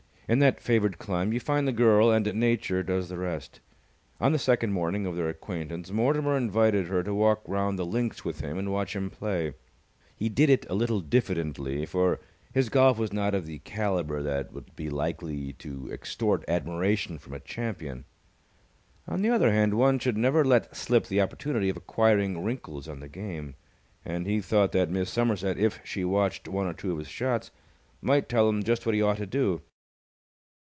In that favoured clime, you find the girl and Nature does the rest. On the second morning of their acquaintance Mortimer invited her to walk round the links with him and watch him play. He did it a little diffidently, for his golf was not of the calibre that would be likely to extort admiration from a champion. On the other hand, one should never let slip the opportunity of acquiring wrinkles on the game, and he thought that Miss Somerset, if she watched one or two of his shots, might tell him just what he ought to do.